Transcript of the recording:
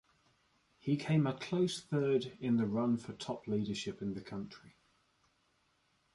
He came a close third in the run for top leadership in the country.